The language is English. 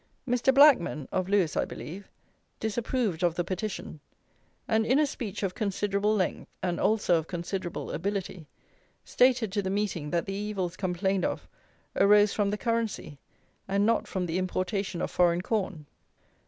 Mr. Blackman (of Lewes I believe) disapproved of the petition, and, in a speech of considerable length, and also of considerable ability, stated to the meeting that the evils complained of arose from the currency, and not from the importation of foreign corn.